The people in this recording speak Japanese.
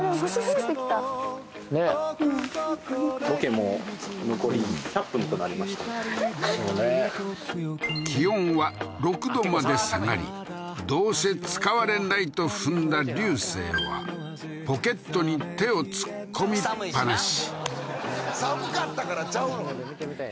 もうね気温は６度まで下がりどうせ使われないと踏んだ流星はポケットに手を突っ込みっぱなし寒かったからちゃうの？